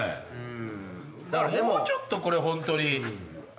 だからもうちょっとこれ本当に。